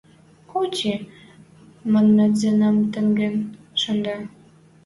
«Коти» манмет Зинам тӹнгден шӹндӓ